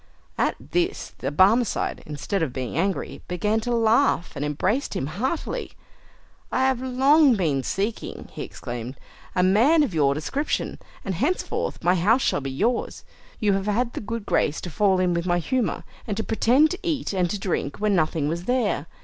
At this the Barmecide, instead of being angry, began to laugh, and embraced him heartily. "I have long been seeking," he exclaimed, "a man of your description, and henceforth my house shall be yours. You have had the good grace to fall in with my humour, and to pretend to eat and to drink when nothing was there.